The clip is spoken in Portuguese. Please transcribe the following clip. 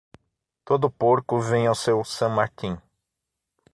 Todo porco vem ao seu San Martín.